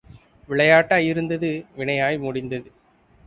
விளையாட்டாய் இருந்தது வினையாய் முடிந்தது.